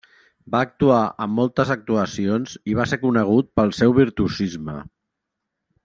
Va actuar en moltes actuacions i va ser conegut pel seu virtuosisme.